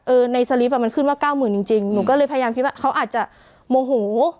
เออในสลิฟต์อะมันขึ้นว่า๙๐๐๐๐จริงหนูก็เลยพยายามคิดว่าเขาอาจจะโมโห